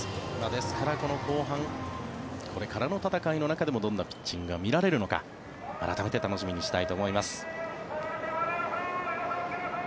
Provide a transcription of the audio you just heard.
ですからこの後半これからの戦いの中でもどんなピッチングが見られるのか改めて楽しみにしたいと思います。